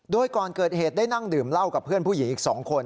โดยก่อนเกิดเหตุได้นั่งดื่มเหล้ากับเพื่อนผู้หญิงอีก๒คน